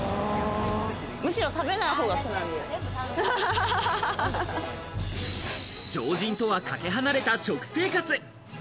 むしろ食べない方が常人とはかけ離れた食生活。